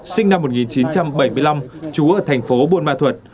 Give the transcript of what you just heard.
sinh năm một nghìn chín trăm bảy mươi năm chú ở thành phố buôn ma thuận